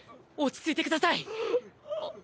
落ち着いて下さい！